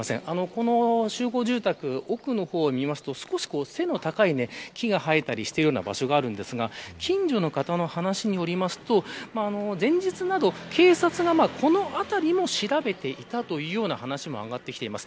この集合住宅の奥の方を見ると背の高い木が生えている場所があるんですが近所の方の話によれば前日など、警察がこの辺りも調べていたという話も上がっています。